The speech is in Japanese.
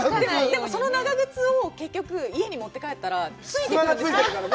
でも、その長靴を、結局、家に持って帰ったらついてるんですよ。